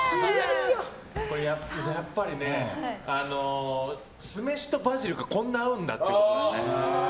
やっぱり、酢飯とバジルがこんなに合うんだっていうね。